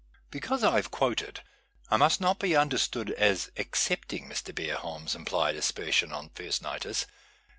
Because I have quoted I must not be understood as accepting Mr. Beerbohm's implied aspersion on first nighters.